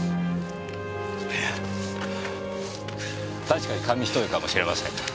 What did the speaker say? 確かに紙一重かもしれません。